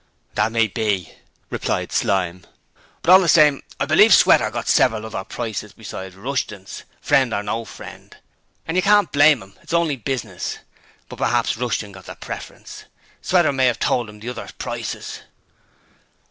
'That may be,' replied Slyme; 'but all the same I believe Sweater got several other prices besides Rushton's friend or no friend; and you can't blame 'im: it's only business. But pr'aps Rushton got the preference Sweater may 'ave told 'im the others' prices.'